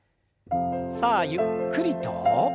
さあゆっくりと。